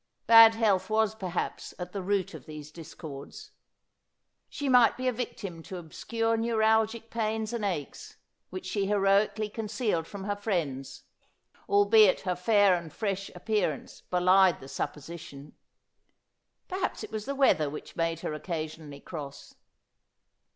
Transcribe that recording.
Bad health was, perhaps, at the root of these discords. She might be a victim to obscure neural gic pains and aches, which she heroically concealed from her friends — albeit her fair and fresh appearance belied the supposi tion. Perhaps it was the weather which made her occasionally cross.